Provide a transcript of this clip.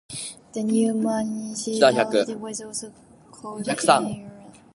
The new municipality was also called Eigersund.